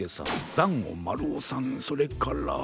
だんごまるおさんそれから。